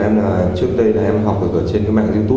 mục đích làm gì